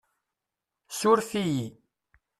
Suref-iyi.